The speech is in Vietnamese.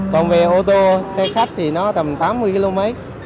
còn về ô tô xe khách thì nó tầm tám mươi km mấy